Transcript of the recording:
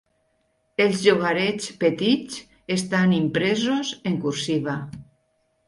Els llogarets petits estan impresos "en cursiva".